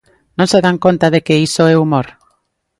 Non se dan conta de que iso é humor?